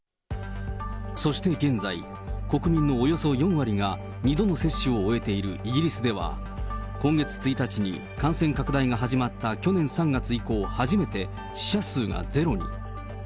そして現在、国民のおよそ４割が２度の接種を終えているイギリスでは、今月１日に感染拡大が始まった去年３月以降、初めて死者数がゼロに。